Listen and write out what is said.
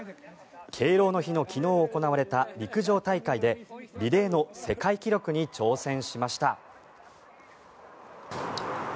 敬老の日の昨日行われた陸上大会でリレーの世界記録に挑戦しました。